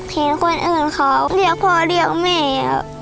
เห็นคนอื่นเขาเรียกพ่อเรียกแม่ครับ